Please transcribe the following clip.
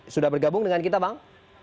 sudah bergabung dengan kita bang